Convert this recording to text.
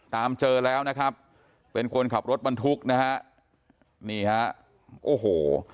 ตามเจอแล้วนะครับเป็นคนขับรถบรรทุกนะฮะนี่ฮะโอ้โห